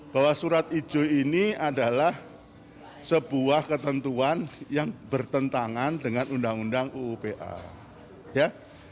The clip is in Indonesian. bahwa surat ijo ini adalah sebuah ketentuan yang bertentangan dengan undang undang uupa ya